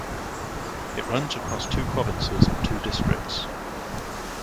It runs across two provinces and two districts.